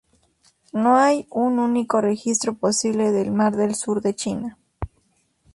No hay un único registro posible del Mar del Sur de China.